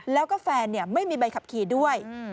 แล้วก็แฟนไม่มีใบขับขี่ด้วย